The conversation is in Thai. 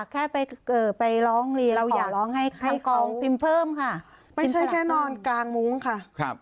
ใช่ค่ะ